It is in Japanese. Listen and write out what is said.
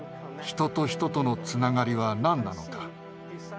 人と人とのつながりは何なのか。